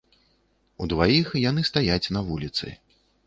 Удваіх яны стаяць на вуліцы.